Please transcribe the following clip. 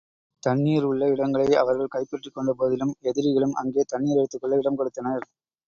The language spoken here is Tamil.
தண்ணீருள்ள இடங்களை, அவர்கள் கைப்பற்றிக் கொண்ட போதிலும், எதிரிகளும் அங்கே தண்ணீர் எடுத்துக் கொள்ள இடம் கொடுத்தனர்.